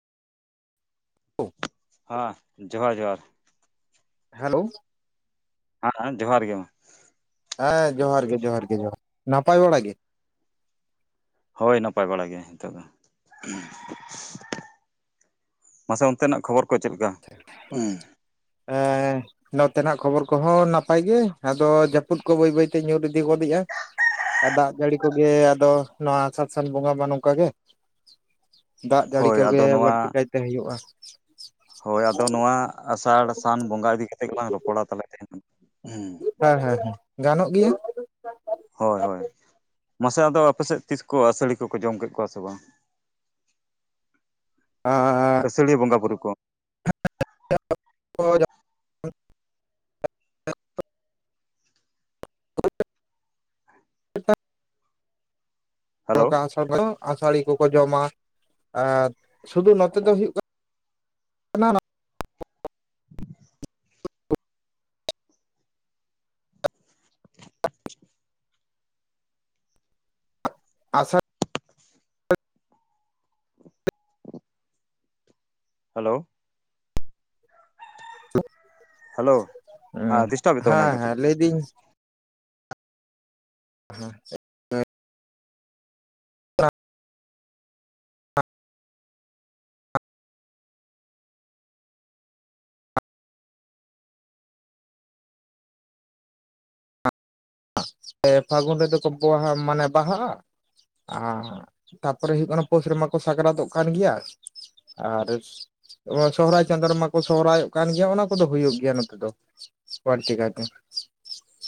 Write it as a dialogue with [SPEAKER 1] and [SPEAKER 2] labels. [SPEAKER 1] [unintelligible]
[SPEAKER 2] ᱦᱟᱸ ᱡᱚᱦᱟᱨ ᱡᱚᱦᱟᱨ
[SPEAKER 1] ᱦᱮᱞᱳ
[SPEAKER 2] ᱦᱟᱸᱜ ᱟ ᱡᱚᱦᱟᱨ ᱜᱮ ᱢᱟ᱾
[SPEAKER 1] ᱦᱮᱸ ᱡᱚᱦᱟᱨ ᱜᱮ ᱡᱚᱦᱟᱨ ᱜᱮ ᱡᱚᱦᱟᱨ ᱱᱟᱯᱟᱭ ᱵᱟᱲᱟ ᱜᱮ
[SPEAKER 2] ᱦᱳᱭ ᱱᱟᱯᱟᱭ ᱵᱟᱲᱟ ᱜᱮ ᱦᱤᱛᱳᱜ ᱫᱚ᱾ ᱢᱟᱥᱮ ᱚᱱᱛᱮ ᱱᱟᱜ ᱠᱷᱚᱵᱚᱨ ᱠᱚ ᱪᱮᱫ ᱞᱮᱠᱟ?
[SPEAKER 1] ᱱᱚᱛᱮ ᱱᱟᱜ ᱠᱷᱚᱵᱚᱨ ᱠᱚᱦᱚᱸ ᱱᱟᱯᱟᱭ ᱜᱮ ᱟᱫᱚ ᱡᱟᱹᱯᱩᱫ ᱠᱚ ᱵᱟᱹᱭ ᱵᱟᱹᱭ ᱛᱮ ᱧᱩᱨ ᱤᱫᱤ ᱜᱚᱫᱮᱜ ᱟᱭ᱾ ᱟ ᱫᱟᱜ ᱡᱟᱹᱲᱤ ᱠᱚᱜᱮ ᱟᱫᱚ ᱱᱚᱣᱟ ᱟᱥᱟᱲ ᱥᱟᱱ ᱵᱚᱸᱜᱟ ᱢᱟ ᱱᱚᱝᱠᱟ ᱜᱮ᱾ ᱫᱟᱜ ᱡᱟᱹᱲᱤ
[SPEAKER 2] ᱦᱳᱭ
[SPEAKER 1] ᱠᱚᱜᱮ
[SPEAKER 2] ᱟᱫᱚ ᱱᱚᱣᱟ
[SPEAKER 1] ᱵᱟᱹᱲᱛᱤ ᱠᱟᱭᱛᱮ ᱦᱩᱭᱩᱜ-ᱟ᱾
[SPEAKER 2] ᱦᱳᱭ ᱟᱫᱚ ᱱᱚᱣᱟ ᱟᱥᱟᱲ ᱥᱟᱱ ᱵᱚᱸᱜᱟ ᱤᱫᱤ ᱠᱟᱛᱮᱜ ᱜᱮᱞᱟᱝ ᱨᱚᱯᱚᱲᱟ ᱛᱟᱦᱞᱮ ᱛᱮᱦᱮᱧ᱾
[SPEAKER 1] ᱦᱮᱸ ᱦᱮᱸ ᱦᱮᱸ ᱜᱟᱱᱚᱜ ᱜᱮᱭᱟ᱾
[SPEAKER 2] ᱦᱳᱭ ᱦᱳᱭ ᱢᱟᱥᱮ ᱟᱫᱚ ᱟᱯᱮ ᱥᱮᱫ ᱛᱤᱥ ᱠᱚ ᱟᱹᱥᱟᱹᱲᱤ ᱠᱚᱯᱚ ᱡᱚᱢ ᱠᱮᱫ ᱠᱚᱣᱟ ᱥᱮ ᱵᱟᱝ?
[SPEAKER 1] ᱟᱨ
[SPEAKER 2] ᱟᱹᱥᱟᱹᱲᱤᱭᱟᱹ ᱵᱚᱸᱜᱟ ᱵᱳᱨᱩ ᱠᱚ᱾
[SPEAKER 1] [unintelligible] [unintelligible]
[SPEAKER 2] ᱦᱮᱞᱳ
[SPEAKER 1] ᱱᱚᱝᱠᱟ ᱟᱥᱟᱲ ᱨᱫᱚ ᱟᱹᱥᱟᱹᱲᱤ ᱠᱚᱠᱚ ᱡᱚᱢᱟ ᱟᱨ ᱥᱩᱫᱩ ᱱᱚᱛᱮ ᱫᱚ ᱦᱩᱭᱩᱜ ᱠᱟᱱᱟ
[SPEAKER 2] [inaudible]
[SPEAKER 1] ᱟᱥᱟᱲ
[SPEAKER 2] ᱦᱮᱞᱳ, ᱦᱮᱞᱳ ᱦᱮᱸ ᱰᱤᱥᱴᱟᱵᱮᱫ ᱛᱟᱵᱮᱱᱟᱭ
[SPEAKER 1] ᱦᱮᱸ
[SPEAKER 2] ᱠᱟᱹᱴᱤᱡ
[SPEAKER 1] ᱦᱮᱸ ᱞᱟᱹᱭ ᱫᱤᱧ ᱦᱮᱸ [unintelligible] [unintelligible] ᱯᱷᱟᱹᱜᱩᱱ ᱨᱮᱫᱚ ᱠᱚ ᱵᱚᱸᱜᱟᱭᱟ ᱵᱟᱦᱟ ᱢᱟᱱᱮ ᱵᱟᱦᱟᱜᱼᱟ᱾ ᱟᱨ ᱛᱟᱨᱯᱚᱨᱮ ᱦᱩᱭᱩᱜ ᱠᱟᱱᱟ ᱯᱩᱥ ᱨᱮᱢᱟ ᱠᱚ ᱥᱟᱠᱨᱟᱛᱚᱜ ᱠᱟᱱ ᱜᱮᱭᱟ᱾ ᱟᱨ ᱥᱚᱦᱚᱨᱟᱭ ᱪᱟᱸᱫᱳ ᱨᱮᱢᱟ ᱠᱚ ᱥᱚᱦᱨᱟᱭᱚᱜ ᱠᱟᱱ ᱜᱮᱭᱟ ᱚᱱᱟ ᱠᱚᱫᱚ ᱦᱩᱭᱩᱜ ᱜᱮᱭᱟ ᱱᱚᱛᱮ ᱫᱚ᱾ ᱵᱚᱲᱟᱹᱛᱤ ᱠᱟᱭᱛᱮ᱾